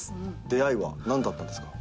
出合いは何だったんですか？